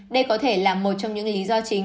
đây có thể là một trong những lý do chính